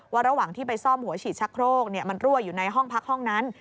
ระหว่างที่ไปซ่อมหัวฉีดชักโครกมันรั่วอยู่ในห้องพักห้องนั้น